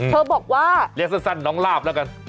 บอกว่าเรียกสั้นน้องลาบแล้วกัน